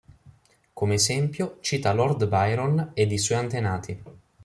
Come esempio cita Lord Byron ed i suoi antenati.